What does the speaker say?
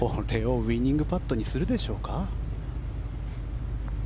ウィニングパットにするでしょうか。